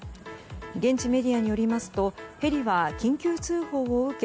現地メディアによりますとヘリは緊急通報を受け